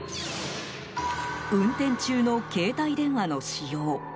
運転中の携帯電話の使用。